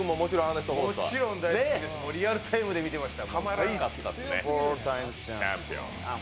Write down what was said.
もちろん大好きです、リアルタイムで見てました。